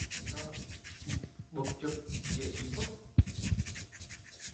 Bụp chụp dễ bị vấp